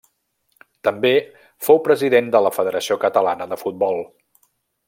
També fou president de la Federació Catalana de Futbol.